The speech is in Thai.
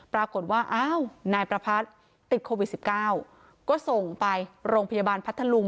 ปรากฏว่าอ้าวนายประพัทธ์ติดโควิด๑๙ก็ส่งไปโรงพยาบาลพัทธลุง